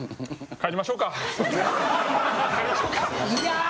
帰りましょうか。